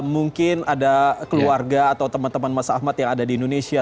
mungkin ada keluarga atau teman teman mas ahmad yang ada di indonesia